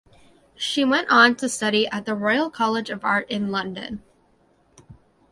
She went on to study at the Royal College of Art in London.